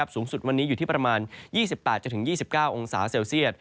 สูงสุดวันนี้อยู่ที่ประมาณ๒๘๒๙องศาเซลเซียต